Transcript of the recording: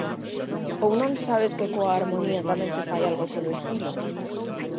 Ou non sabes que coa harmonía tamén se fai algo polo estilo?